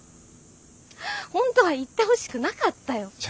本当は行ってほしくなかったよ。